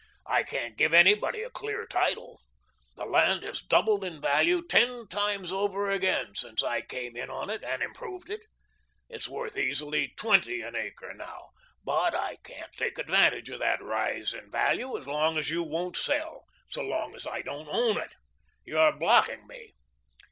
I can't give anybody a clear title. The land has doubled in value ten times over again since I came in on it and improved it. It's worth easily twenty an acre now. But I can't take advantage of that rise in value so long as you won't sell, so long as I don't own it. You're blocking me."